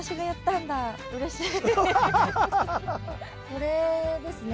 これですね？